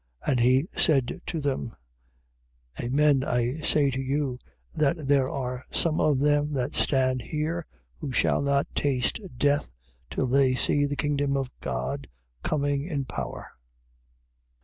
8:39. And he said to them: Amen f say to you that there are some of them that stand here who shall not taste death till they see the kingdom of God coming in power.